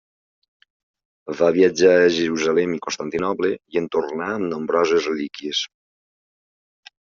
Va viatjar a Jerusalem i Constantinoble i en tornà amb nombroses relíquies.